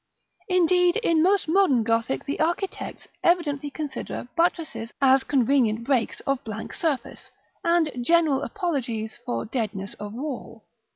Indeed, in most modern Gothic, the architects evidently consider buttresses as convenient breaks of blank surface, and general apologies for deadness of wall.